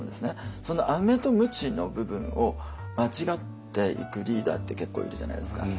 そのアメとムチの部分を間違っていくリーダーって結構いるじゃないですか。